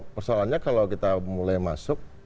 persoalannya kalau kita mulai masuk